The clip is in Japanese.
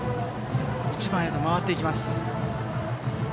１番へと回っていきます。